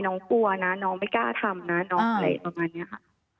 กลัวนะน้องไม่กล้าทำนะน้องอะไรประมาณนี้ค่ะ